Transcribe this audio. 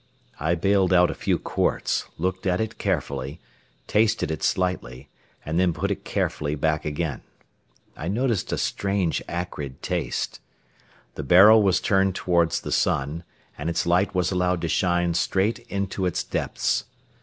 I bailed out a few quarts, looked at it carefully, tasted it slightly, and then put it carefully back again. I noticed a strange acrid taste. The barrel was turned toward the sun, and its light was allowed to shine straight into its depths.